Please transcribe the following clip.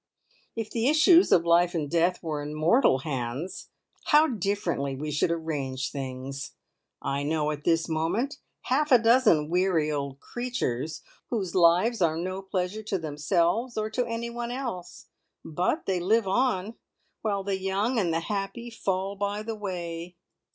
If the issues of life and death were in mortal hands, how differently we should arrange things! I know at this moment half a dozen weary old creatures whose lives are no pleasure to themselves or to anyone else, but they live on, while the young and the happy fall by the way.